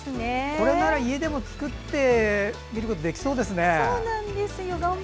これなら家でも作ってみることできそうですね。